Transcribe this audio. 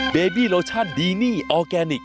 เบบี้โลชั่นดีนี่ออร์แกนิค